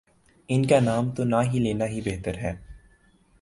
ان کا نام تو نہ لینا ہی بہتر ہے۔